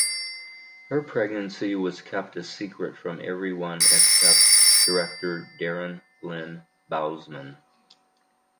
Her pregnancy was kept a secret from everyone except director Darren Lynn Bousman.